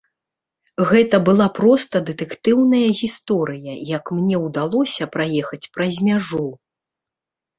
Гэта была проста дэтэктыўная гісторыя, як мне ўдалося праехаць праз мяжу.